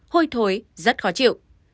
hôi thối rất khó chịu